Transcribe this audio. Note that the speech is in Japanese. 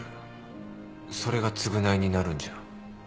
それが償いになるんじゃ？